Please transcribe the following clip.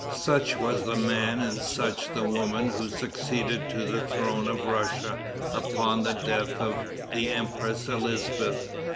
Such was the man and such the woman who succeeded to the throne of Russia upon the death of the Empress Elizabeth.